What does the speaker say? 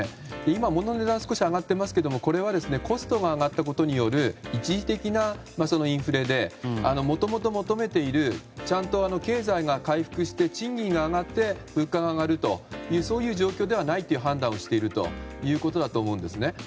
今、ものの値段が少し上がっていますがこれはコストが上がったことによる一時的なインフレでもともと求めているちゃんと経済が回復して賃金が上がって物価が上がるというそういう状況ではないという判断をしているということだと思うんです。